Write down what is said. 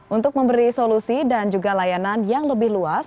untuk memberi solusi dan juga layanan yang lebih luas